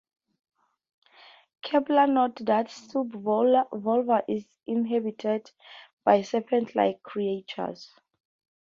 Kepler notes that Subvolva is inhabited by serpent-like creatures.